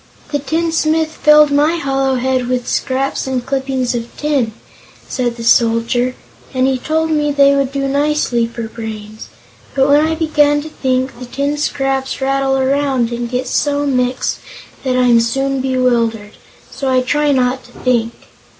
"The tinsmith filled my hollow head with scraps and clippings of tin," said the Soldier, "and he told me they would do nicely for brains, but when I begin to think, the tin scraps rattle around and get so mixed that I'm soon bewildered. So I try not to think.